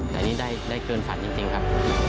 แต่อันนี้ได้เกินฝันจริงครับ